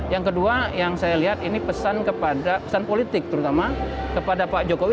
yang kedua yang saya lihat ini pesan kepada pesan politik terutama kepada pak jokowi